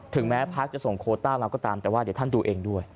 แม้พักจะส่งโคต้ามาก็ตามแต่ว่าเดี๋ยวท่านดูเองด้วย